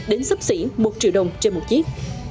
đến sắp xỉ một triệu đồng trên một chiếc